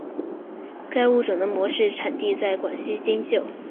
该物种的模式产地在广西金秀。